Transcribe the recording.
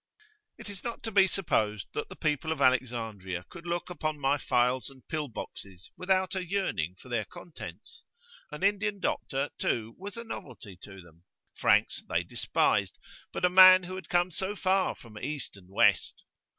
It is not to be supposed that the people of Alexandria could look upon my phials and pill boxes without a yearning for their contents. An Indian doctor, too, was a novelty to them; Franks they despised, but a man who had come so far from East and West!